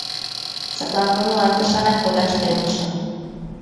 Садлан нунылан тышанак кодаш темлышым.